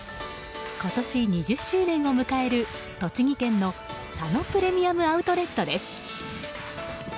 今年２０周年を迎える、栃木県の佐野プレミアムアウトレットです。